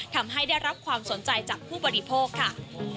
ทำให้ได้รับความสนใจจากผู้บริโภคค่ะ